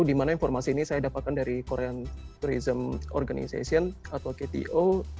di mana informasi ini saya dapatkan dari korean tourism organization atau kto